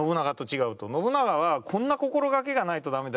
信長はこんな心掛けがないと駄目だ！